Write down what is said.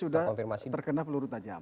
sudah terkena peluru tajam